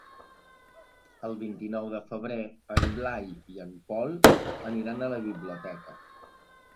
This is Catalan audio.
El vint-i-nou de febrer en Blai i en Pol aniran a la biblioteca.